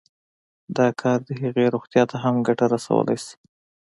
دا کار د هغې روغتيا ته هم ګټه رسولی شي